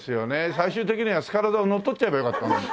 最終的にはスカラ座を乗っ取っちゃえばよかったのに。